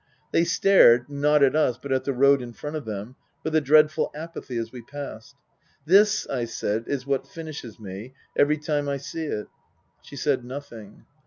They stared, not at us but at the road in front of them, with a dreadful apathy, as we passed. " This," I said, " is what finishes me every time I see it." She said nothing.